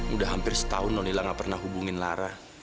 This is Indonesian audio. udah hampir setahun non lila gak pernah hubungin lara